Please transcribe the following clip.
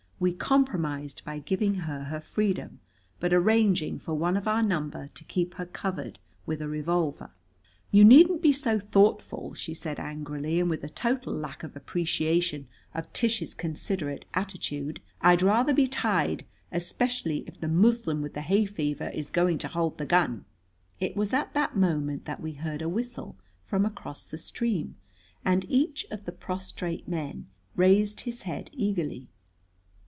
We compromised by giving her her freedom, but arranging for one of our number to keep her covered with a revolver. "You needn't be so thoughtful," she said angrily, and with a total lack of appreciation of Tish's considerate attitude. "I'd rather be tied, especially if the Moslem with the hay fever is going to hold the gun." It was at that moment that we heard a whistle from across the stream, and each of the prostrate men raised his head eagerly.